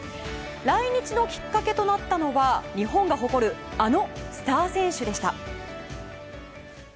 来日のきっかけとなったのは日本が誇るあのスター選手でした。